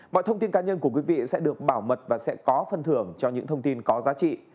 mọi thông tin cá nhân của quý vị sẽ được bảo mật và sẽ có phân thưởng cho những thông tin có giá trị